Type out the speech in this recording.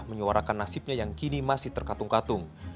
menyuarakan nasibnya yang kini masih terkatung katung